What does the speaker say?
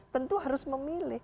tentu harus memilih